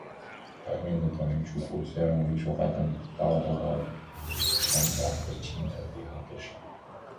外面的短衣主顾，虽然容易说话，但唠唠叨叨缠夹不清的也很不少。